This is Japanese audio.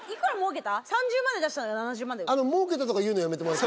３０万で出したのが７０万で。